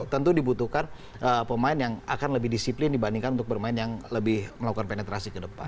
tentu dibutuhkan pemain yang akan lebih disiplin dibandingkan untuk bermain yang lebih melakukan penetrasi ke depan